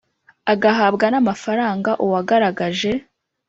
Agahabwa n amafaranga y uwagaragaje